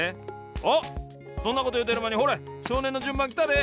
あっそんなこというてるまにほれしょうねんのじゅんばんきたで！